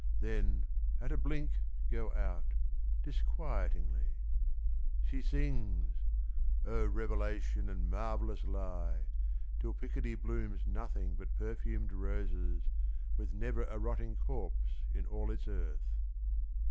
Then, at a bUnk, go out, disquictingly. She sings — Oh, revelation and marvellous lie — Till Picardy blooms nothing but perfumed roses. With never a rotting corpse in all its earth.